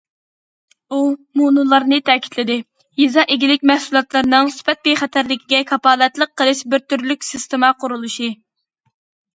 ئۇ مۇنۇلارنى تەكىتلىدى: يېزا ئىگىلىك مەھسۇلاتلىرىنىڭ سۈپەت بىخەتەرلىكىگە كاپالەتلىك قىلىش بىر تۈرلۈك سىستېما قۇرۇلۇشى.